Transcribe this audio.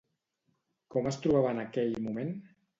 Com es trobava en aquell moment?